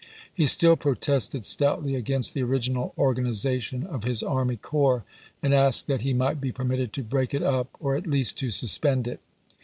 He still protested stoutly against the original organization of his army corps, and asked that he might be permitted to break it up or at least to suspend it.